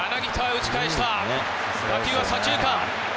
打球は左中間。